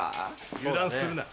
油断するな。